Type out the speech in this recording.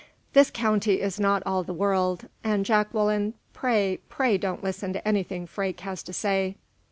"This county is not all the world and, Jacqueline, pray, pray don't listen to anything Freke has to say."